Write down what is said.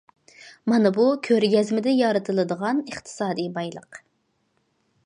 مانا بۇ كۆرگەزمىدە يارىتىلىدىغان ئىقتىسادىي بايلىق.